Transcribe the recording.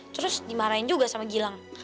terus dimarahin juga sama gilang